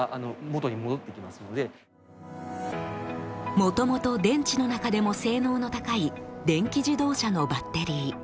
もともと電池の中でも性能の高い電気自動車のバッテリー。